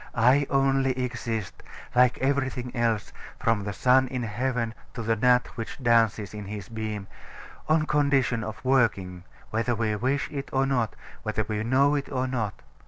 I only exist (like everything else, from the sun in heaven to the gnat which dances in his beam) on condition of working, whether we wish it or not, whether we know it or not.